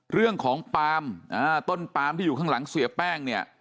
เรื่องของปาล์มต้นปามที่อยู่ข้างหลังเสียแป้งเนี่ย